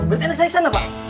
berarti anak saya ke sana pak